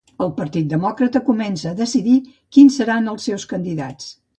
El Partit Demòcrata comença a decidir qui seran els seus candidats